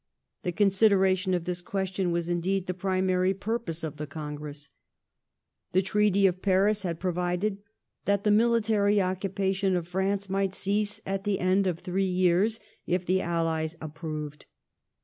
The consider ation of this question was indeed the primary purpose of the Con gress. The Treaty of Paris had provided that *' the military occupation of France might cease at the end of three yeai*s " if the allies approved.